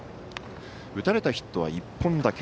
打たれたヒットは１本だけ。